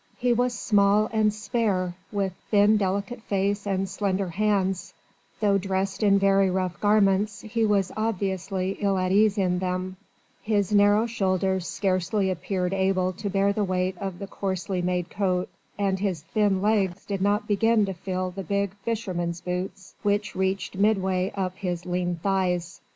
He was small and spare, with thin delicate face and slender hands: though dressed in very rough garments, he was obviously ill at ease in them; his narrow shoulders scarcely appeared able to bear the weight of the coarsely made coat, and his thin legs did not begin to fill the big fisherman's boots which reached midway up his lean thighs.